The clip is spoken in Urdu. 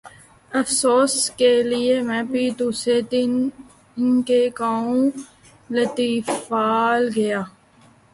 افسوس کیلئے میں بھی دوسرے دن ان کے گاؤں لطیفال گیا۔